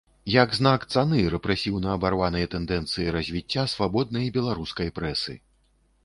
Як знак цаны рэпрэсіўна абарванай тэндэнцыі развіцця свабоднай беларускай прэсы.